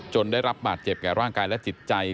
ได้รับบาดเจ็บแก่ร่างกายและจิตใจ